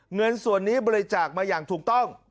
เงินส่วนนี้บริจาคมาอย่างถูกต้อง